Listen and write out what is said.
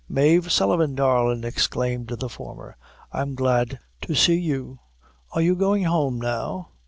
"Mave Sullivan, darlin'," exclaimed the former, "I'm glad to see you. Are you goin' home, now?"